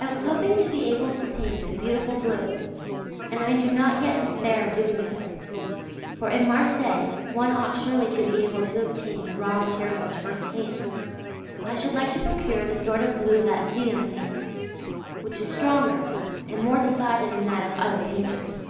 I was hoping to be able to paint a beautiful blue, and I do not yet despair of doing so; for in Marseilles one ought surely to be able to obtain the raw materials first hand. I should like to procure the sort of blue that Ziem paints, which is stronger and more decided than that of other painters.